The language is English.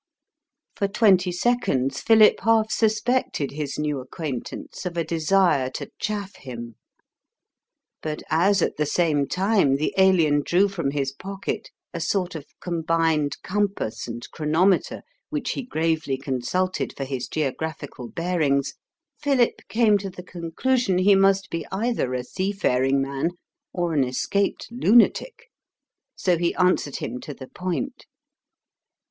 For twenty seconds, Philip half suspected his new acquaintance of a desire to chaff him: but as at the same time the Alien drew from his pocket a sort of combined compass and chronometer which he gravely consulted for his geographical bearings, Philip came to the conclusion he must be either a seafaring man or an escaped lunatic. So he answered him to the point.